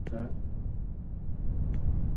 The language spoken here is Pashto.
ښوونځي پخوا منظم وو.